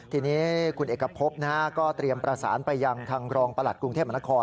ทีนี้คุณเอกพบก็เตรียมประสานไปยังทางรองประหลัดกรุงเทพมนคร